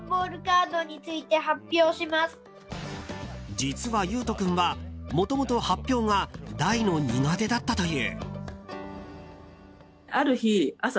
実は、ゆうと君はもともと発表が大の苦手だったという。